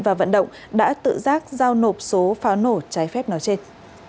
và vận động đã tự giác giao nộp số pháo nổ trái phép nói trên